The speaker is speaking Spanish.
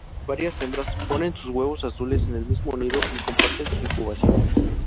Varias hembras ponen sus huevos azules en el mismo nido y comparten su incubación.